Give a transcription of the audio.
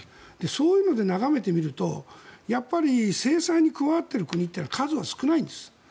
そういうので眺めてみるとやっぱり制裁に加わっている国って数は少ないんです。